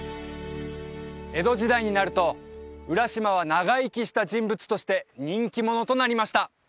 江戸時代になると浦島は長生きした人物として人気者となりました